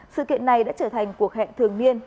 sự kiện này đã trở thành cuộc hẹn thường niên